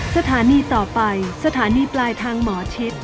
สถานีต่อไปสถานีปลายทางหมอชิด